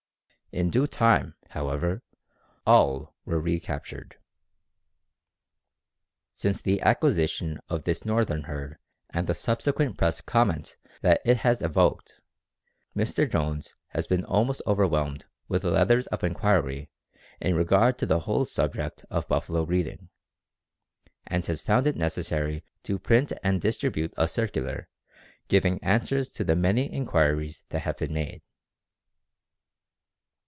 In due time, however, all were recaptured. Since the acquisition of this northern herd and the subsequent press comment that it has evoked, Mr. Jones has been almost overwhelmed with letters of inquiry in regard to the whole subject of buffalo breeding, and has found it necessary to print and distribute a circular giving answers to the many inquiries that have been made.